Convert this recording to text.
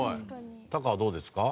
タカはどうですか？